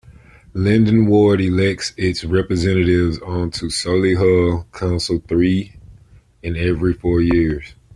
Lyndon ward elects its representatives on to Solihull Council three in every four years.